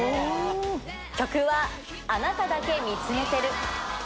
曲は、あなただけ見つめてる。